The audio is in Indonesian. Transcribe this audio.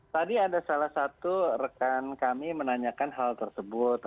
tadi ada salah satu rekan kami menanyakan hal tersebut